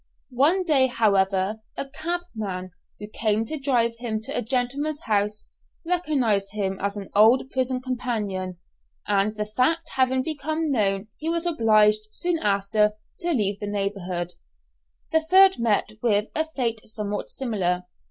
One day, however, a cabman who came to drive him to a gentleman's house, recognized him as an old prison companion, and the fact having become known he was obliged soon after to leave the neighbourhood. The third met with a fate somewhat similar.